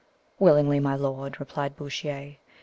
"Willingly, my lord," replied Bouchier.